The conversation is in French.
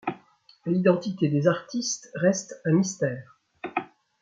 L’identité des artistes reste un mystère.